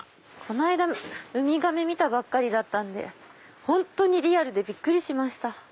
この間ウミガメ見たばっかりだったんで本当にリアルでびっくりしました。